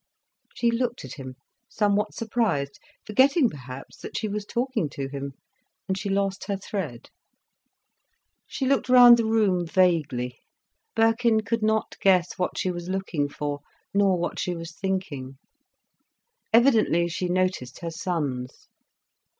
She looked at him, somewhat surprised, forgetting perhaps that she was talking to him. And she lost her thread. She looked round the room, vaguely. Birkin could not guess what she was looking for, nor what she was thinking. Evidently she noticed her sons.